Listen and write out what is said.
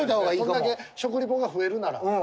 それだけ食リポが増えるなら。